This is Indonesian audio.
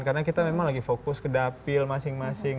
karena kita memang lagi fokus ke dapil masing masing